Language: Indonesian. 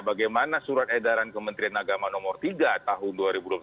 bagaimana surat edaran kementerian agama nomor tiga tahun dua ribu dua puluh satu